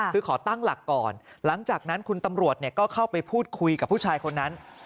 คือขอตั้งหลักก่อนหลังจากนั้นคุณตำรวจก็เข้าไปพูดคุยกับผู้ชายคนนั้น